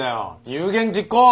有言実行！